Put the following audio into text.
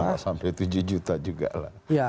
bisa sampai tujuh juta juga lah